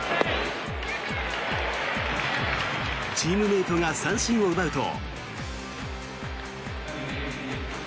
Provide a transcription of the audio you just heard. チームメートが三振を奪うと。